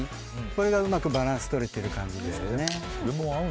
これがうまくバランスがとれてる感じですよね。